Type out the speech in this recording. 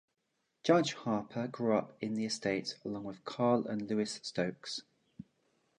Judge Harper grew up in the estates along with Carl and Louis Stokes.